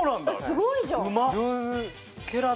すごいじゃん。